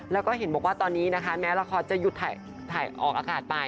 แล้วก็เห็นบอกว่าตอนนี้นะคะแม้ละครจะหยุดถ่ายออกอากาศไป